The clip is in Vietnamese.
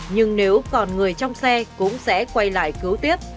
nhưng nếu còn người trong xe cũng sẽ quay lại cứu tiếp